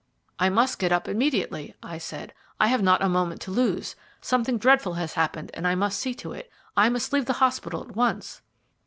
"I must get up immediately," I said; "I have not a moment to lose. Something dreadful has happened, and I must see to it. I must leave the hospital at once."